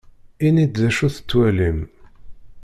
Init-d d acu tettwalim.